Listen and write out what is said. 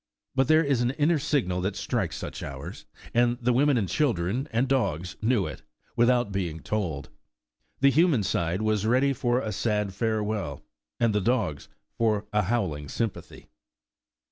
But there is an inner signal that strikes such hours, and the women and children and dogs knew it, without being told. The human side was ready for a sad farewell, and the dogs for a howling sympathy.